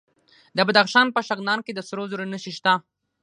د بدخشان په شغنان کې د سرو زرو نښې شته.